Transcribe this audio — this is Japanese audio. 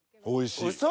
おいしい。